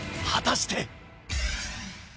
果たして！？